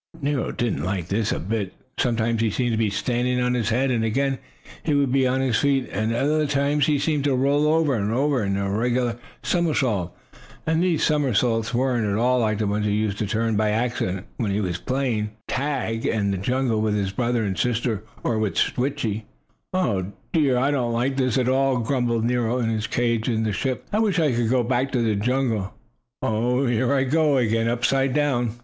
Nero didn't like this a bit. Sometimes he seemed to be standing on his head, and again he would be on his feet. At other times he seemed to roll over and over in a regular somersault. And these somersaults weren't at all like the ones he used to turn by accident, when he was playing tag in the jungle with his brother and sister, or with Switchie. "Oh, dear, I don't like this at all!" grumbled Nero, in his cage in the ship. "I wish I could go back to the jungle. Oh, here I go again upside down!"